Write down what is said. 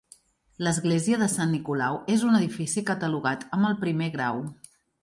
L'església de Sant Nicolau és un edifici catalogat amb el primer grau.